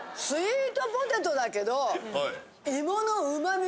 スイートポテトだけど。